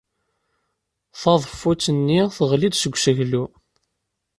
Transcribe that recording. Taḍeffut-nni teɣli-d seg useklu.